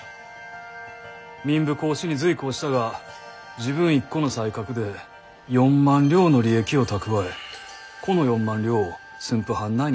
民部公子に随行したが自分一個の才覚で４万両の利益を蓄えこの４万両を駿府藩内に配分」。